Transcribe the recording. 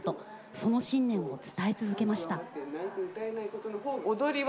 その信念を伝え続けました。